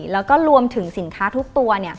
แล้วก็รวมถึงสินค้าทุกตัว